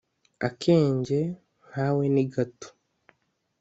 akenge nkawe ni gato